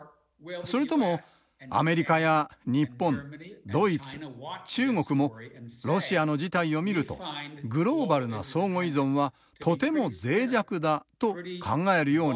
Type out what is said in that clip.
それともアメリカや日本ドイツ中国もロシアの事態を見るとグローバルな相互依存はとても脆弱だと考えるようになるかです。